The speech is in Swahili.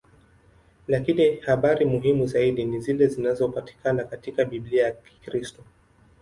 Lakini habari muhimu zaidi ni zile zinazopatikana katika Biblia ya Kikristo.